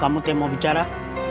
kamu mau bicara